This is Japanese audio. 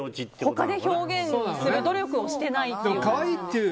他で表現する努力をしてないっていう。